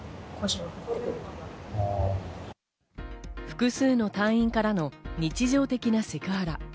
複数の隊員からの日常的なセクハラ。